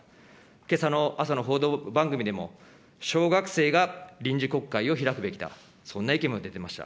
けさの朝の報道番組でも、小学生が臨時国会を開くべきだ、そんな意見も出てました。